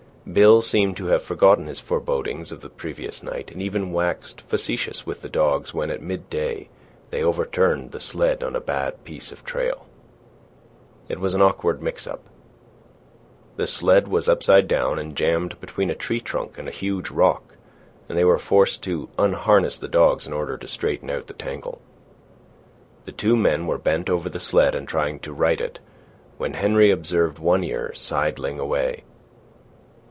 Bill seemed to have forgotten his forebodings of the previous night, and even waxed facetious with the dogs when, at midday, they overturned the sled on a bad piece of trail. It was an awkward mix up. The sled was upside down and jammed between a tree trunk and a huge rock, and they were forced to unharness the dogs in order to straighten out the tangle. The two men were bent over the sled and trying to right it, when Henry observed One Ear sidling away.